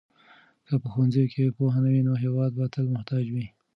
که په ښوونځیو کې پوهه نه وي نو هېواد به تل محتاج وي.